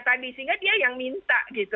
tadi sehingga dia yang minta gitu